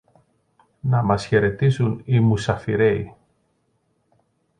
να μας χαιρετήσουν οι μουσαφιρέοι